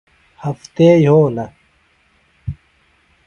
ہفتے یھولہ